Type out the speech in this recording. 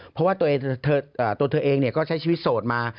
เพราะว่าตัวเธอเองก็ใช้ชีวิตโสดมา